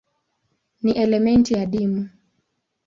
Ni elementi adimu.